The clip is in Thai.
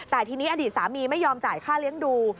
แต่ทีนี้อดีตสามีไม่ยอมจ่ายค่าเลี้ยงดู